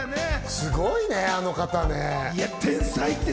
すごいねあの方。